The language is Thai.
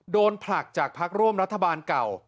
ผลักจากพักร่วมรัฐบาลเก่า